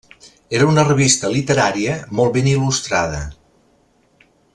Era una revista literària, molt ben il·lustrada.